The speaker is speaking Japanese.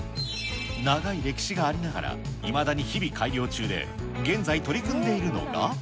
長い歴史がありながら、いまだに日々改良中で、現在取り組んでいるのが。